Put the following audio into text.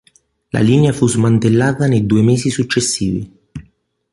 La linea fu smantellata nei due mesi successivi.